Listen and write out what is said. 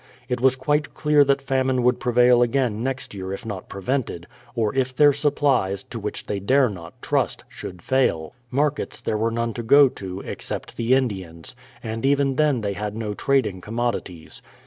It was quite clear that famine would prevail again next year if not pre vented, or if their supplies, to which they dare not trust, should fail. Markets there were none to go to, except the Indians; and even then they had no trading commodities.